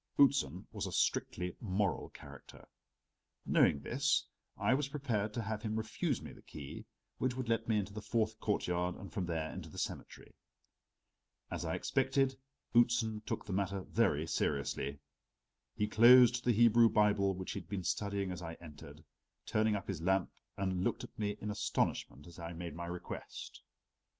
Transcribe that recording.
Outzen was a strictly moral character; knowing this, I was prepared to have him refuse me the key which would let me into the fourth courtyard and from there into the cemetery. As I expected, Outzen took the matter very seriously. He closed the Hebrew Bible which he had been studying as I entered, turned up his lamp and looked at me in astonishment as I made my request.